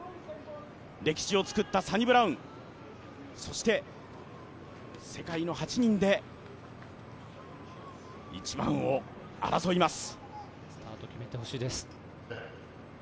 歴史を作ったサニブラウン、そして世界の８人で一番を争います。